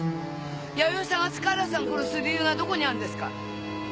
弥生さんが塚原さんを殺す理由がどこにあるんですか！